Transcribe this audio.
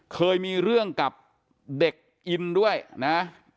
เคยมีเรื่องกับเด็กอินด้วยนะ